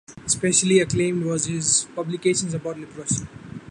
Especially acclaimed was his publications about leprosy.